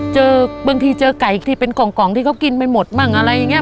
เจอบางทีเจอไก่ที่เป็นกล่องที่เค้ากินไปหมดบ้างอะไรอย่างเงี้ย